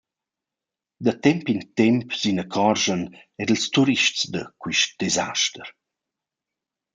Da temp in temp s’inaccordschan eir ils turists da quist desaster.